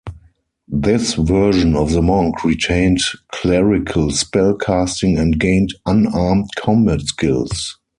This version of the monk retained clerical spellcasting and gained unarmed combat skills.